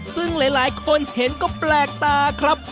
ซึ่งหลายคนเห็นก็แปลกตาครับ